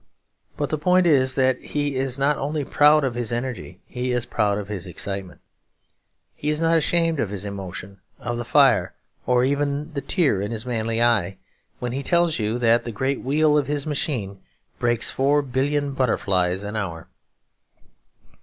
But the point is that he is not only proud of his energy, he is proud of his excitement. He is not ashamed of his emotion, of the fire or even the tear in his manly eye, when he tells you that the great wheel of his machine breaks four billion butterflies an hour.